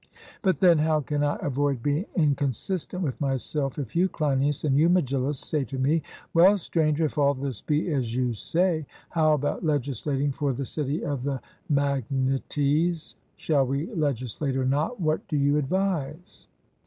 But, then, how can I avoid being inconsistent with myself, if you, Cleinias, and you, Megillus, say to me Well, Stranger, if all this be as you say, how about legislating for the city of the Magnetes shall we legislate or not what do you advise?